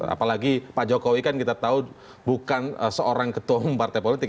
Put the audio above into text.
apalagi pak jokowi kan kita tahu bukan seorang ketua umum partai politik